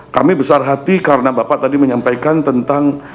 kami besar hati karena bapak tadi menyampaikan tentang